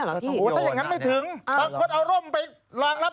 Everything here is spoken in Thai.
โอ้โหถ้าอย่างนั้นไม่ถึงบางคนเอาร่มไปรองรับ